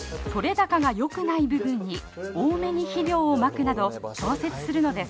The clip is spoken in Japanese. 高がよくない部分に多めに肥料をまくなど調節するのです。